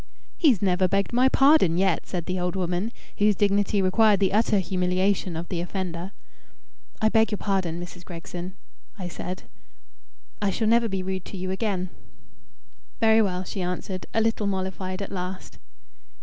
"He's never begged my pardon yet," said the old woman, whose dignity required the utter humiliation of the offender. "I beg your pardon, Mrs. Gregson," I said. "I shall never be rude to you again." "Very well," she answered, a little mollified at last.